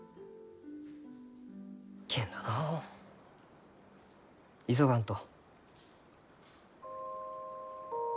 けんどのう急がんと。